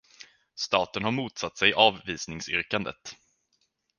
Staten har motsatt sig avvisningsyrkandet.